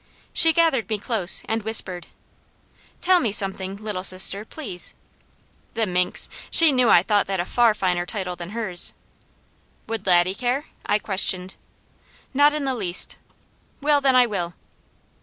She gathered me close and whispered: "Tell me something, Little Sister, please." The minx! She knew I thought that a far finer title than hers. "Would Laddie care?" I questioned. "Not in the least!" "Well then, I will."